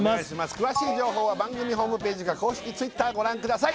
詳しい情報は番組ホームページか公式Ｔｗｉｔｔｅｒご覧ください